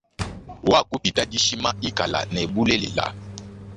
Wakupita dishima ikala ne bulela.